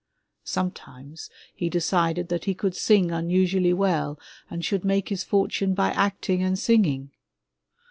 Sometimes he decided that he could sing unusually well and should make his fortune by acting and singing.